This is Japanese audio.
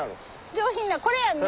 上品なこれやんね。